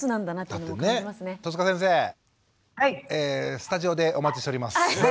スタジオでお待ちしております。